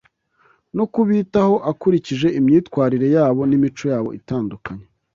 no kubitaho akurikije imyitwarire yabo n’imico yabo itandukanye